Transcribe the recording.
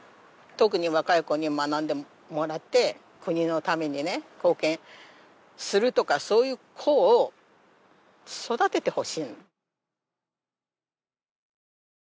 特に若い子に学んでもらって国のためにね貢献するとかそういう子を育ててほしい。